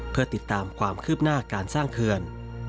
เพื่อติดตามความคืบหน้าการสร้างเขื่อน